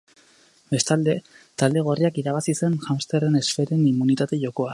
Bestalde, talde gorriak irabazi zuen hamsterren esferen inmunitate jokoa.